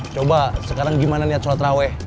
coba sekarang gimana niat sholat traweh